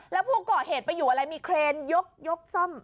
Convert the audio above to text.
แล้วผู้ก่อเหตุไปอยู่อะไรมีเครนยกซ่อม